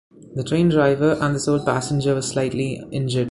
The train driver and the sole passenger were slightly injured.